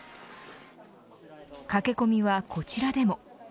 駆け込みはこちらでも。